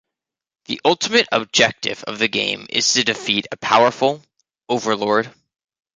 The ultimate objective of the game is to defeat a powerful "Overlord".